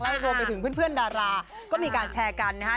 แล้วรวมไปถึงเพื่อนดาราก็มีการแชร์กันนะครับ